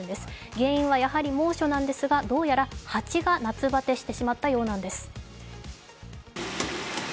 原因はやはり猛暑なんですがどうやら、蜂が夏バテしてしまったそうなんです。